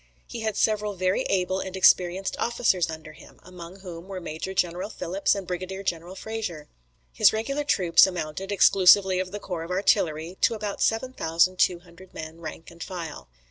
He had several very able and experienced officers under him, among whom were Major General Phillips and Brigadier General Fraser. His regular troops amounted, exclusively of the corps of artillery, to about seven thousand two hundred men, rank and file.